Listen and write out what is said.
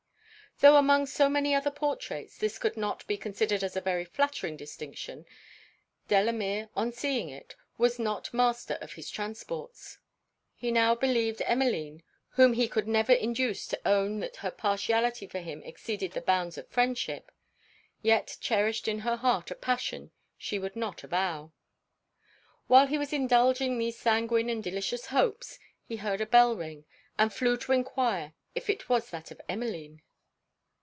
Though among so many other portraits, this could not be considered as a very flattering distinction, Delamere, on seeing it, was not master of his transports. He now believed Emmeline (whom he could never induce to own that her partiality for him exceeded the bounds of friendship) yet cherished in her heart a passion she would not avow. While he was indulging these sanguine and delicious hopes, he heard a bell ring, and flew to enquire if it was that of Emmeline?